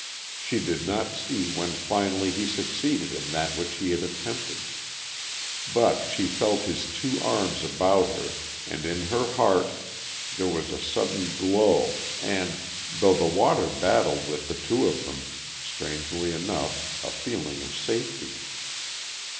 She did not see when finally he succeeded in that which he had attempted. But she felt his two arms about her and in her heart there was a sudden glow and, though the water battled with the two of them, strangely enough a feeling of safety.